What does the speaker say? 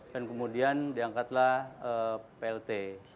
dan kemudian diangkatlah plt